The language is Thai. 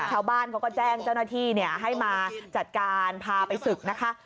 ชาวบ้านเขาก็แจ้งเจ้าหน้าที่ให้มาจัดการพาไปศึกนะคะ